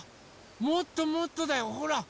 もっともっとだよほら。